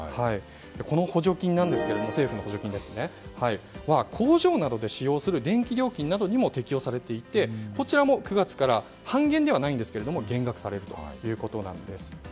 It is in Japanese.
この政府の補助金は工場などで使用する電気料金などにも適用されていてこちらも９月から半減ではないんですが減額されるということなんです。